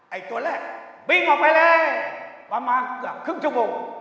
ตัวแรกวิ่งออกไปเลยประมาณเกือบครึ่งชั่วโมง